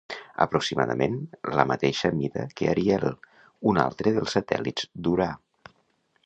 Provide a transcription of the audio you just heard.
Aproximadament, la mateixa mida que Ariel, un altre dels satèl·lits d'Urà.